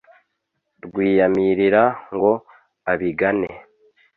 Rwiyamirira ngo abigane